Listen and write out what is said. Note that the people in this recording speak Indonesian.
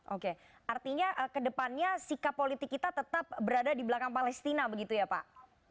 oke artinya kedepannya sikap politik kita tetap berada di belakang palestina begitu ya pak